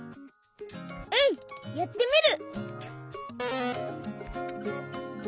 うんやってみる！